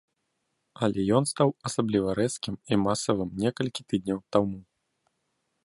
Але ён стаў асабліва рэзкім і масавым некалькі тыдняў таму.